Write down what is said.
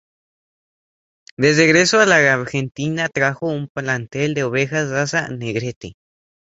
De regreso a la Argentina, trajo un plantel de ovejas raza "Negrete".